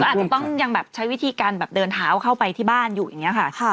อาจจะต้องยังแบบใช้วิธีการแบบเดินเท้าเข้าไปที่บ้านอยู่อย่างนี้ค่ะ